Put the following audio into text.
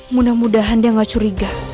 mudah mudahan dia gak curiga